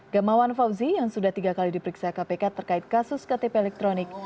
gamawan fauzi yang sudah tiga kali diperiksa kpk terkait kasus ktp elektronik